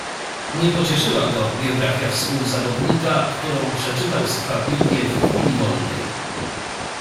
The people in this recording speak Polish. "Nie pocieszyła go biografia współzawodnika, którą przeczytał skwapliwie w chwili wolnej."